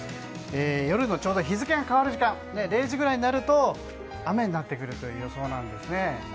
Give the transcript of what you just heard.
夜のちょうど日付が変わる時間０時くらいになってくると雨になってくる予想なんですね。